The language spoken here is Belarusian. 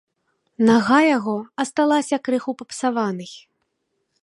Нага яго асталася крыху папсаванай.